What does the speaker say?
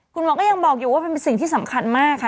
คุณหมอก็ยังบอกอยู่ว่ามันเป็นสิ่งที่สำคัญมากค่ะ